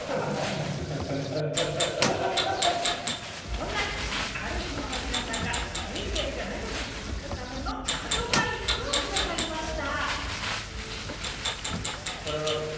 そんなＴＨＥＡＬＦＥＥの皆さんが『ＤａｙＤａｙ．』が長く続くためのアドバイスをくださいました。